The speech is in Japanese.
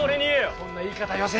そんな言い方よせ。